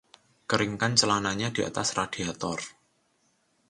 Keringkan celananya di atas radiator.